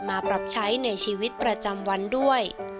มาปรับใช้ในชีวิตประจำวันด้วย